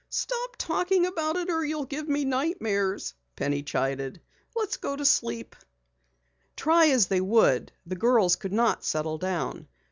"Stop talking about it or you'll give me nightmares!" Penny chided. "Let's go to sleep." Try as they would, the girls could not settle down.